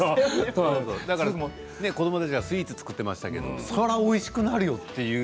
子どもたちはスイーツを作っていましたけれどもそれは、おいしくなるよ。